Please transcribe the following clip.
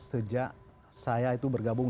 sejak saya itu bergabung